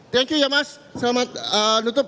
thank you ya mas selamat nutup